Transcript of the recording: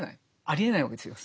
ありえないわけですよ